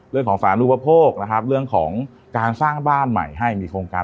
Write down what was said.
เรื่องของสารูปโภคนะครับเรื่องของการสร้างบ้านใหม่ให้มีโครงการ